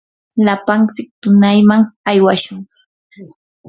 lapantsik tunayman aywashun.